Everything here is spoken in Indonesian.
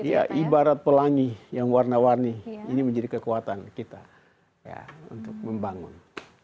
iya ibarat pelangi yang warna warni ini menjadi kekuatan kita untuk membangun